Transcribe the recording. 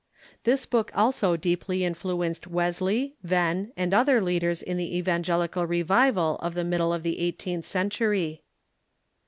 "* This book also deeply influenced Wesle}^ Venn, and other leaders in the Evangelical Revival of the middle of the eighteenth century.